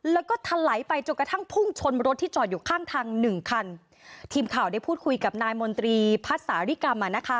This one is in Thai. แล้วก็ทะไหลไปจนกระทั่งพุ่งชนรถที่จอดอยู่ข้างทางหนึ่งคันทีมข่าวได้พูดคุยกับนายมนตรีพัดสาริกรรมอ่ะนะคะ